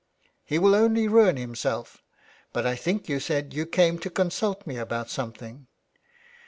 '' He will only ruin himself. But I think you said you came to consult me about something.'